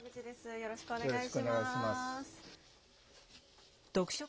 よろしくお願いします。